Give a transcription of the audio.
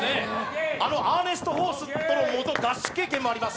あのアーネスト・ホーストとの合宿経験もあります。